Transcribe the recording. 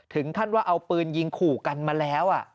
ถึงขั้นว่าเอาปืนยิงขู่กันมาแล้ว